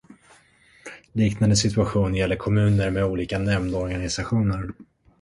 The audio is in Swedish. Liknande situation gäller kommuner med olika nämndorganisationer.